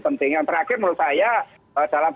penting yang terakhir menurut saya dalam